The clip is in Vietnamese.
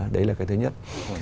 đấy là cái thứ nhất